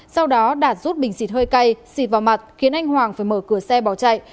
sau đó đạt rút bình xịt hơi cay xịt vào mặt khiến anh hoàng phải mở cửa xe bỏ chạy